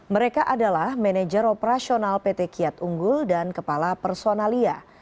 mereka adalah manajer operasional pt kiat unggul dan kepala personalia